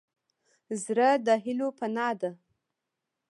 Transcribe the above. زړه د هيلو پناه ده.